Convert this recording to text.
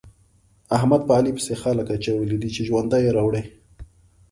احمد په علي پسې خلګ اچولي دي چې ژوند يې راوړي.